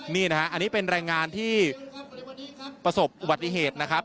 นี่นะฮะอันนี้เป็นแรงงานที่ประสบอุบัติเหตุนะครับ